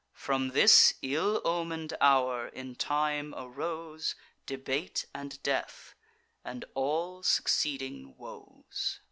From this ill omen'd hour in time arose Debate and death, and all succeeding woes.